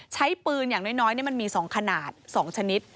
ใช้ปืนอย่างน้อยมันมี๒ขนาด๒ชนิด